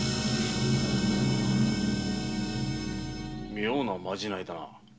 妙なまじないだな。